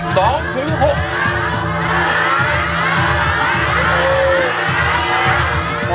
๒ถึง๖